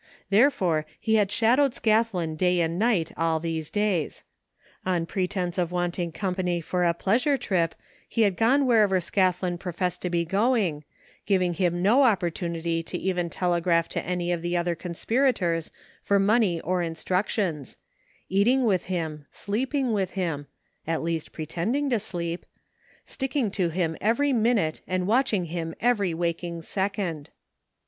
There fore he had shadowed Scathlin day and night all these days. On pretence of wanting company for a pleasure 13 THE FINDING OF JASPER HOLT trip he had gone wherever Scathlin professed to be going, giving him no opportunity to even telegraph to any of the other conspirators for money or instructions ; eating with him, sleeping with him, — ^at least pretend ing to sleep— sticking to him every minute and watch ing him every waking second.